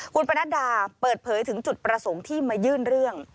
คุณปนัดดาเปิดเผยถึงจุดประสงค์ที่มายื่นเรื่อง